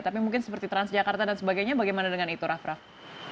tapi mungkin seperti transjakarta dan sebagainya bagaimana dengan itu raff raff